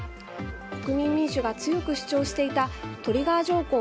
国民民主が強く主張していたトリガー条項